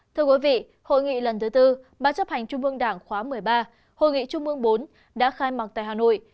thưa quý vị hội nghị lần thứ tư bán chấp hành trung ương đảng khóa một mươi ba hội nghị trung ương bốn đã khai mạc tại hà nội